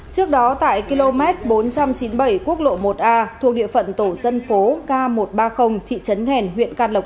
trước đó tại km bốn trăm chín mươi bảy quốc lộ một a thuộc địa phận tổ dân phố k một trăm ba mươi thị trấn nghèn huyện can lộc